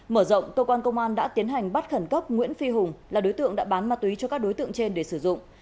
mở rộng cơ quan công an đã tiến hành bắt khẩn cấp nguyễn phi hùng là đối tượng đã bán ma túy cho các đối tượng trên để sử dụng